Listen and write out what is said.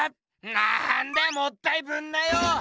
なんだよもったいぶんなよ！